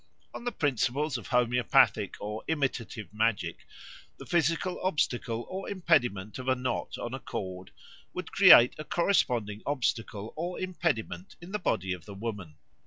On the principles of homoeopathic or imitative magic the physical obstacle or impediment of a knot on a cord would create a corresponding obstacle or impediment in the body of the woman.